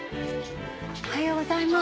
おはようございます。